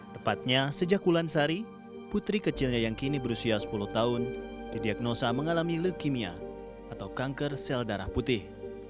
tepatnya sejak wulansari putri kecilnya yang kini berusia sepuluh tahun didiagnosa mengalami leukemia atau kanker sel darah putih